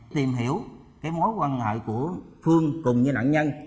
tìm hiểu cái mối quan hệ của phương cùng với nạn nhân